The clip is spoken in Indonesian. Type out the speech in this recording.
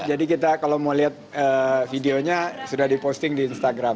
jadi kita kalau mau liat videonya sudah di posting di instagram